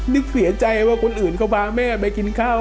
นึกเสียใจว่าคนอื่นเขาพาแม่ไปกินข้าว